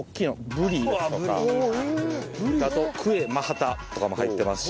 ブリですとかあとクエマハタとかも入ってますし。